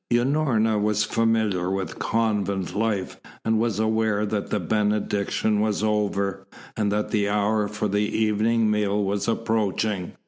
Unorna was familiar with convent life and was aware that the Benediction was over, and that the hour for the evening meal was approaching.